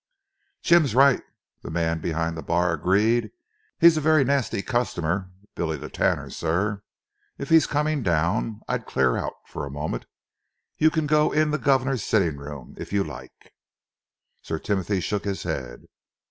"Jim's right," the man behind the bar agreed. "He's a very nasty customer, Bill the Tanner, sir. If he's coming down, I'd clear out for a moment. You can go in the guvnor's sitting room, if you like." Sir Timothy shook his head.